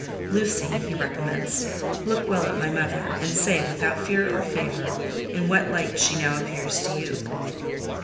"Lucy," he recommenced, "look well at my mother, and say, without fear or favour, in what light she now appears to you."